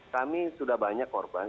kami sudah banyak korban